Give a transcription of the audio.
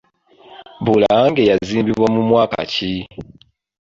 Bulange yazimbibwa mu mwaka ki?